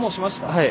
はい。